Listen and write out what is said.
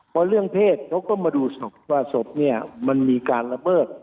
เพราะเรื่องเพศเขาก็มาดูศพว่าศพเนี่ยมันมีการละเมิด